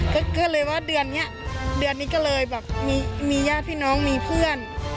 ดูเลยว่าเดือนนี้ก็เลยบางมีย่าพี่น้องมีเพื่อน